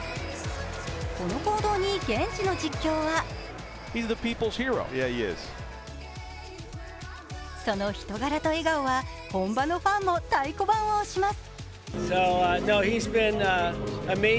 この行動に現地の実況はその人柄と笑顔は本場のファンも太鼓判を押します。